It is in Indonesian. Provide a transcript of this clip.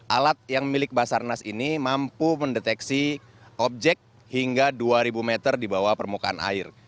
alat yang milik basarnas ini mampu mendeteksi objek hingga dua ribu meter di bawah permukaan air